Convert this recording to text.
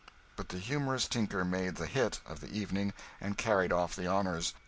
But the humorous tinker made the 'hit' of the evening and carried off the honours.